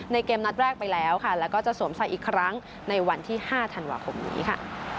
เกมนัดแรกไปแล้วค่ะแล้วก็จะสวมใส่อีกครั้งในวันที่๕ธันวาคมนี้ค่ะ